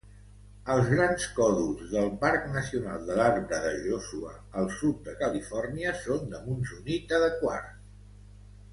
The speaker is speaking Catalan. Els grans còdols del Parc Nacional de l'Arbre de Joshua al sud de Califòrnia són de monzonita de quars.